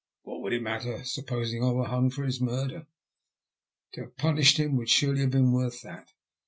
What would it matter ? Supposing I were hung for his murder! To have punished him would surely have been worth that.